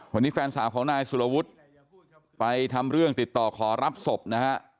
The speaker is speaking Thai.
วันนี้แฟนสาวของนายสุรวุฒิไปทำเรื่องติดต่อขอรับศพนะฮะ